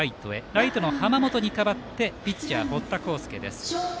ライトの濱本に代わってピッチャー、堀田昂佑。